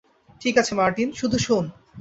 ঠিক আছে, মার্টিন, শুধু শোন।